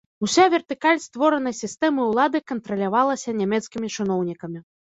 Уся вертыкаль створанай сістэмы ўлады кантралявалася нямецкімі чыноўнікамі.